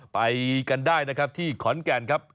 ไปกันได้นะครับที่ขอนแก่นครับ